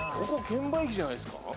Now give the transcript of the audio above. ここ券売機じゃないですか？